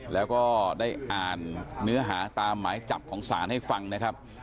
แล้วก็ได้อ่านเนื้อหาตามหมายจับของศาลให้ฟังนะครับ